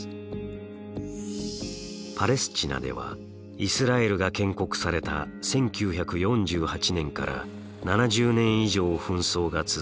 パレスチナではイスラエルが建国された１９４８年から７０年以上紛争が続いています。